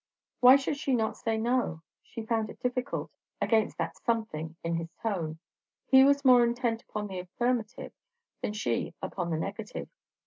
Why should she not say no? She found it difficult, against that something in his tone. He was more intent upon the affirmative than she upon the negative.